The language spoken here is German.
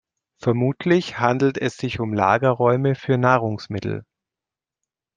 Vermutlich handelt es sich um Lagerräume für Nahrungsmittel.